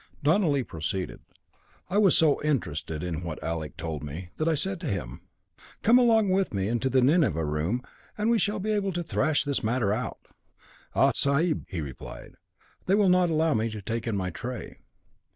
Donelly proceeded. "I was so interested in what Alec told me, that I said to him, 'Come along with me into the Nineveh room, and we shall be able to thrash this matter out.' 'Ah, sahib,' he replied, 'they will not allow me to take in my tray.'